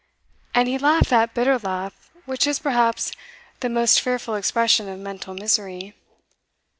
And he laughed that bitter laugh which is perhaps the most fearful expression of mental misery.